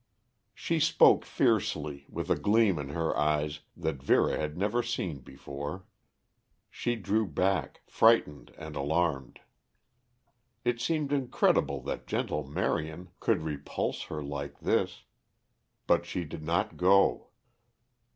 She spoke fiercely, with a gleam in her eyes that Vera had never seen before. She drew back, frightened and alarmed. It seemed incredible that gentle Marion could repulse her like this. But she did not go.